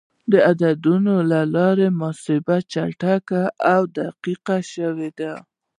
د عددونو له لارې محاسبه چټکه او دقیق شوه.